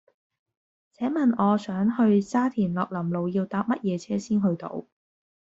請問我想去沙田樂林路要搭乜嘢車先去到